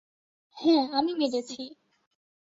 হ্যা, আমি মেরেছি।